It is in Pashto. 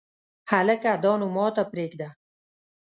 هلکه دا نو ماته پرېږده !